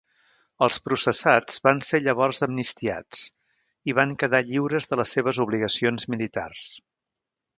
Els processats van ser llavors amnistiats i van quedar lliures de les seves obligacions militars.